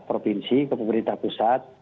provinsi ke pemerintah pusat